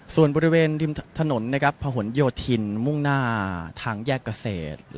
ส่วนบริเวณริมถนนนะครับพะหนโยธินมุ่งหน้าทางแยกเกษตร